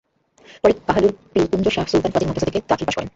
পরে কাহালুর পীলকুঞ্জ শাহ সুলতান ফাজিল মাদ্রাসা থেকে দাখিল পাস করেন।